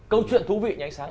câu chuyện thú vị như ánh sáng